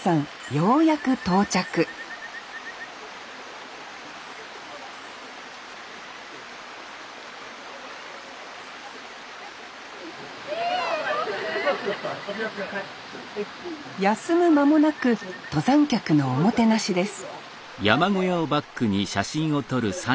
ようやく到着休む間もなく登山客のおもてなしです